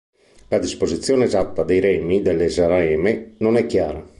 La disposizione esatta dei remi dell'esareme non è chiara.